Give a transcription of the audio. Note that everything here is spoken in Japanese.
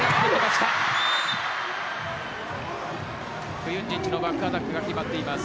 クユンジッチのバックアタックが決まっています。